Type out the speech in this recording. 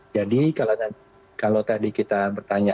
jadi kalau tadi kita bertanya